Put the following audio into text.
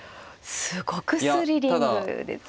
すごくスリリングですね。